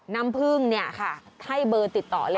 น้ำพึ่งเนี่ยค่ะให้เบอร์ติดต่อเลย